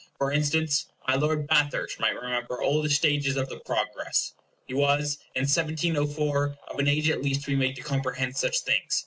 For instance, my Lord Bathurst might remember all the stages of the progress. He was in 1704 of an age at least to be made to comprehend such things.